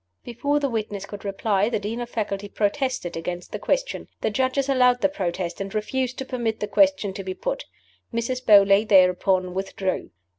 Before the witness could reply the Dean of Faculty protested against the question. The Judges allowed the protest, and refused to permit the question to be put. Mrs. Beauly thereupon withdrew.